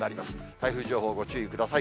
台風情報、ご注意ください。